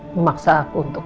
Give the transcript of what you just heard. memaksa aku untuk